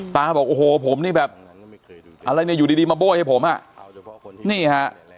บอกโอ้โหผมนี่แบบอะไรเนี่ยอยู่ดีมาโบ้ให้ผมอ่ะนี่ฮะ